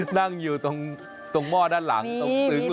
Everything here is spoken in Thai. นั่งอยู่ตรงหม้อด้านหลังตรงซึ้ง